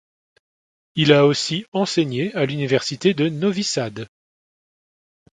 Il a aussi enseigné à l'université de Novi Sad.